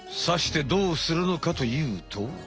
さしてどうするのかというと。